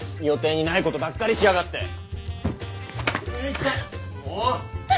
予定にないことばっかりしやがって！